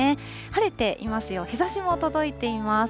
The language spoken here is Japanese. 晴れていますよ、日ざしも届いています。